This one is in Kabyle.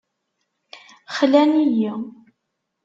Xlan-iyi.